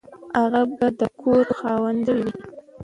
هغه به د کور خاوند شوی وي.